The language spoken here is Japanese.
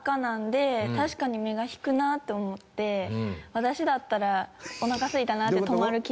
私だったらおなかすいたなって止まる気がします。